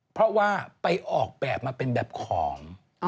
เพราะว่าไปออกแบบมาเป็นแบบของ